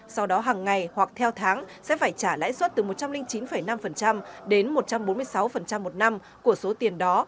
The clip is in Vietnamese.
sau đó hàng ngày hoặc theo tháng sẽ phải trả lãi suất từ một trăm linh chín năm đến một trăm bốn mươi sáu một năm của số tiền đó